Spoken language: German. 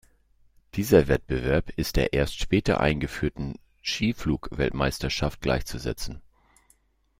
Dieser Wettbewerb ist der erst später eingeführten Skiflug-Weltmeisterschaft gleichzusetzen.